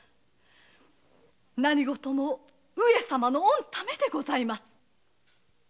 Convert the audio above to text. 何事も上様のおんためでございます。